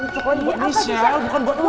coklat buat michelle bukan buat lu